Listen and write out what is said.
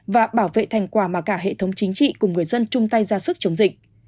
và bảo vệ thành quả mà cả hệ thống chính trị cùng người dân chung tay ra sức chống dịch